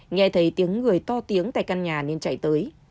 nghe thấy tiếng người to tiếng tại căn nhà nên chạy tới